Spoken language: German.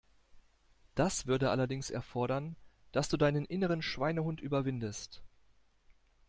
Das würde allerdings erfordern, dass du deinen inneren Schweinehund überwindest.